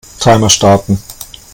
Timer starten.